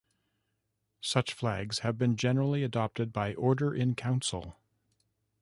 Such flags have generally been adopted by Order in Council.